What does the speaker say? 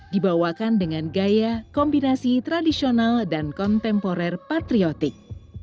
dibawakan dengan gaya kombinasi tradisional dan kontemporer patriotik